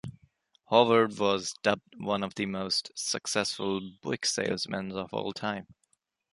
Howard was dubbed one of the most successful Buick salesmen of all time.